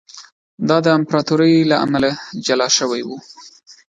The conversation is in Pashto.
دا د امپراتورۍ له امله له جلا شوی و